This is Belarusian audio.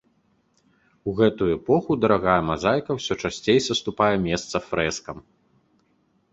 У гэтую эпоху дарагая мазаіка ўсё часцей саступае месца фрэскам.